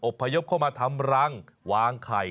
พยพเข้ามาทำรังวางไข่